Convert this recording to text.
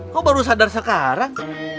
kok baru sadar sekarang